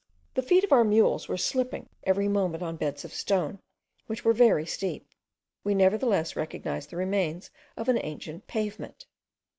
The feet of our mules were slipping every moment on beds of stone, which were very steep. We nevertheless recognized the remains of an ancient pavement.